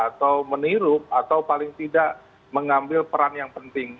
atau meniru atau paling tidak mengambil peran yang penting